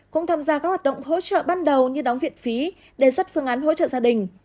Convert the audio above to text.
cũng tham gia các hoạt động hỗ trợ ban đầu như đóng viện phí đề xuất phương án hỗ trợ gia đình